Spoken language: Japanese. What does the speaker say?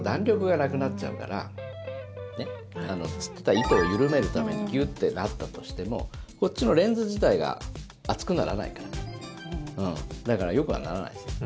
つってた糸を緩めるためにギュッてなったとしてもこっちのレンズ自体が厚くならないからだから、よくはならないですよ。